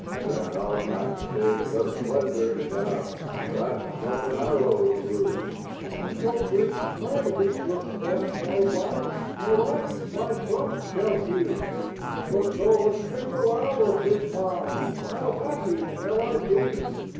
Then up and spake a slender shaft, That like an arrow grew; "No breeze my leafless stem shall waft, No ax my trunk shall hew But though a single hour is mine, How happy shall I be!